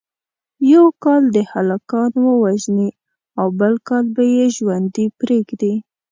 یو کال دې هلکان ووژني او بل کال به یې ژوندي پریږدي.